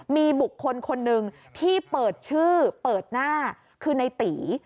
มีบุคคลคนหนึ่งที่เปิดชื่อเปิดหน้าคือในตี